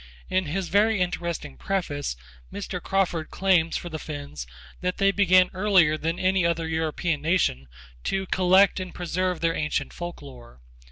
In his very interesting preface Mr. Crawford claims for the Finns that they began earlier than any other European nation to collect and preserve their ancient folklore.